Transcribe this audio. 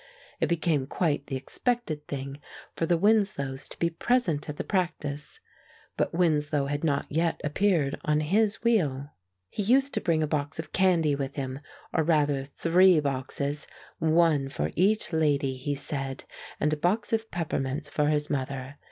It became quite the expected thing for the Winslows to be present at the practice; but Winslow had not yet appeared on his wheel. He used to bring a box of candy with him, or rather three boxes one for each lady, he said and a box of peppermints for his mother.